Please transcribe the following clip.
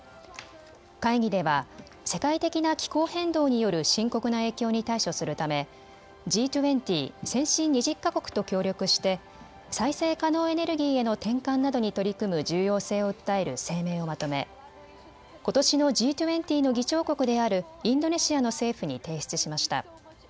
会議では世界的な気候変動による深刻な影響に対処するためＧ２０・先進２０か国と協力して再生可能エネルギーへの転換などに取り組む重要性を訴える声明をまとめことしのＧ２０の議長国であるインドネシアの政府に提出しました。